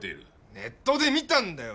ネットで見たんだよ